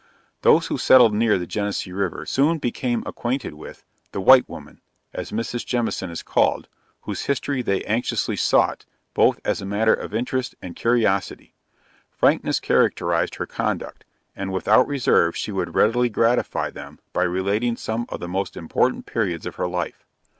Those who settled near the Genesee river, soon became acquainted with "The White Woman," as Mrs. Jemison is called, whose history they anxiously sought, both as a matter of interest and curiosity. Frankness characterized her conduct, and without reserve she would readily gratify them by relating some of the most important periods of her life.